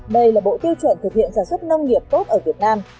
đây là bộ tiêu chuẩn thực hiện sản xuất nông nghiệp tốt ở việt nam